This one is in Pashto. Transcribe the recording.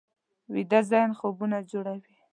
ویده ذهن خوبونه جوړوي